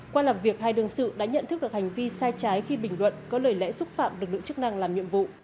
qua lập việc hai đường sự đã nhận thức được hành vi sai trái khi bình luận có lời lẽ xúc phạm được lượng chức năng làm nhiệm vụ